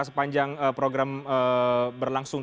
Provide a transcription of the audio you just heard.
sepanjang program berlangsung